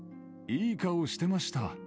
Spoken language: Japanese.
いい顔してました。